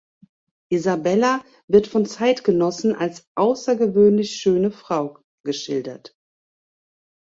Isabella wird von Zeitgenossen als außergewöhnlich schöne Frau geschildert.